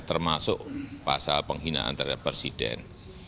termasuk pasal penghinaan terhadap presiden